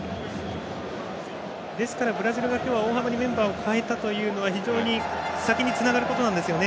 ですからブラジルが今日大幅にメンバーを変えたというのは非常に先につながることなんですよね。